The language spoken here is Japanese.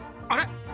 あれ？